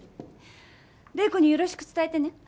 麗子によろしく伝えてね